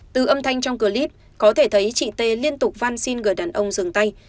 từ âm thanh trong clip có thể thấy chị t liên tục văn xin người đàn ông dừng tay